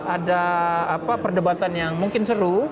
ada perdebatan yang mungkin seru